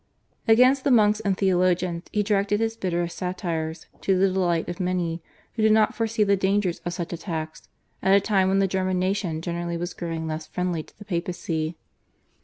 Against the monks and theologians he directed his bitterest satires, to the delight of many, who did not foresee the dangers of such attacks at a time when the German nation generally was growing less friendly to the Papacy.